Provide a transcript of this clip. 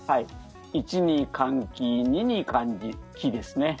１に換気２に換気ですね。